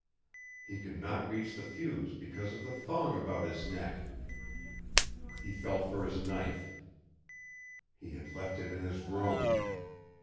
He could not reach the fuse because of the thong about his neck! He felt for his knife. He had left it in his room.